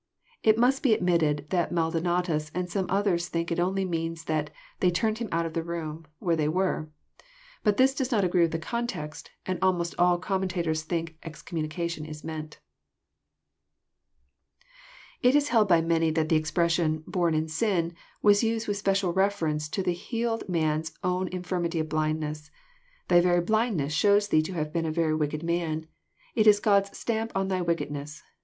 It must be ad mitted that Maldonatus and some others think it only means that " they turned him out of the room " where they were. But this does not agree with the context, and almost all commenta tors think *' excommunication " is meant. It is held by many that the expression, bom in sin," was used with special reference to the healed man's old infirmity of blindness. '* Thy very blindness shows thee to have been a very wicked man. It is God's stampTm thy^wickedness.